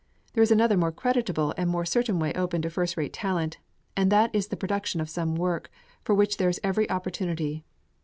There is another more creditable and more certain way open to first rate talent, and that is the production of some work, for which there is every opportunity.